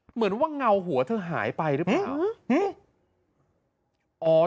เหมือนว่าเงาหัวเธอหายไปหรือเปล่า